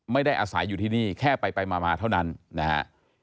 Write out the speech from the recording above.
ไม่ได้อาศัยอยู่ที่นี่แค่ไปมาเท่านั้นนะฮะ